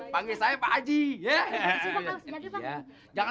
panggil saya pak aji ya jangan